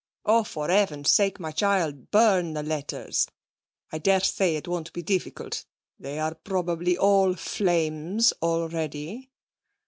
'Oh, for heaven's sake, my child, burn the letters! I daresay it won't be difficult; they are probably all flames already.'